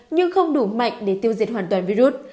nhưng không đủ mạnh để tiêu diệt hoàn toàn virus